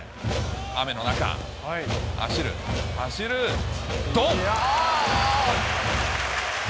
雨の中、走る、走る、捕った。